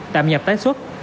tạm nhập tái xuất